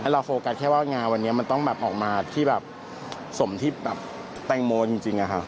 โฟกัสแค่ว่างานวันนี้มันต้องแบบออกมาที่แบบสมที่แบบแตงโมจริงอะค่ะ